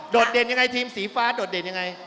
เด่นยังไงทีมสีฟ้าโดดเด่นยังไง